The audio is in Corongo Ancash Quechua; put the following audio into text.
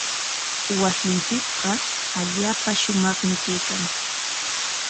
Wasinchikqa allaapa shumaqmi kaykan.